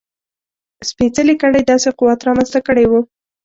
سپېڅلې کړۍ داسې قوت رامنځته کړی و.